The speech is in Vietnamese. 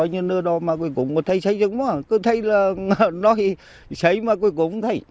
hướng tới mục tiêu